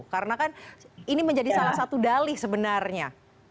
karena kan ini menjadi salah satu dalih sebenarnya